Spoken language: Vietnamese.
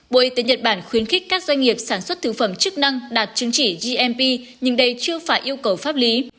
bộ y tế nhật bản khuyến khích các doanh nghiệp sản xuất thực phẩm chức năng đạt chứng chỉ gmp nhưng đây chưa phải yêu cầu pháp lý